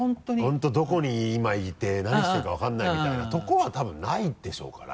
本当どこに今いて何してるか分からないみたいなとこは多分ないでしょうから。